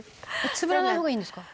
「つぶらないほうがいいんですか？」